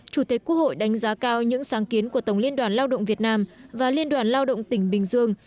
chủ tịch quốc hội đánh giá cao những sáng kiến của tổng liên đoàn lao động việt nam và liên đoàn lao động tỉnh bình dương